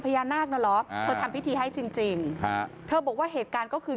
พญานาคโดยเธอทำพิธีให้จริงเธอบอกว่าเหตุการณ์ก็คือ